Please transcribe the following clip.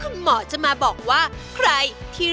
โรงพยาบาลพญาไทย๒